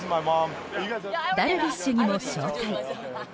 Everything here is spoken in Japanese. ダルビッシュにも紹介。